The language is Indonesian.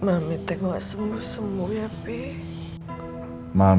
aku tahu kamu kenapa